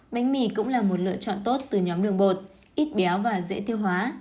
bánh mì cũng là một lựa chọn tốt từ nhóm đường bột ít béo và dễ tiêu hóa